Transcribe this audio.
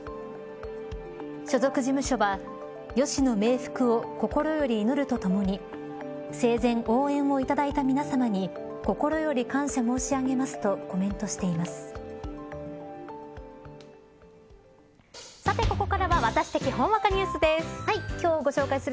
所属事務所はＹＯＳＨＩの冥福を心より祈るとともに生前、応援をいただいた皆さまに心より感謝申し上げますとコメントしています。